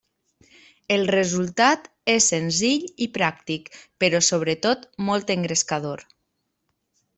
El resultat és senzill i pràctic però sobretot molt engrescador.